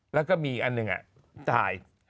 แล้วก็มีอันหนึ่งจ่าย